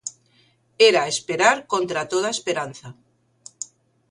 Era esperar contra toda esperanza.